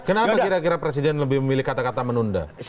kenapa kira kira presiden lebih memilih kata kata menunda